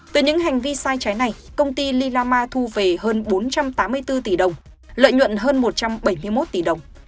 từ những hành vi sai trái này công ty lilama thu về hơn bốn trăm tám mươi bốn tỷ đồng lợi nhuận hơn một trăm bảy mươi một tỷ đồng